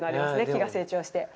木が成長して。